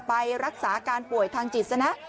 ไปรักษาอาการป่วยทางจิตสนะ